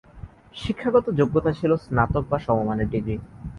শিক্ষাগত যোগ্যতা ছিল স্নাতক বা সমমানের ডিগ্রি।